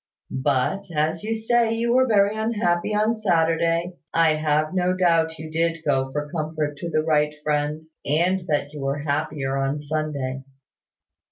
But, as you say you were very unhappy on Saturday, I have no doubt you did go for comfort to the right Friend, and that you were happier on Sunday.